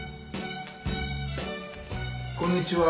こんにちは。